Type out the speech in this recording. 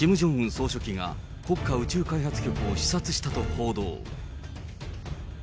総書記が国家宇宙開発局を視察したと報道。